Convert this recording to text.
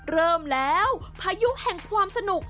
เริ่มแล้วพายุแห่งความสนุก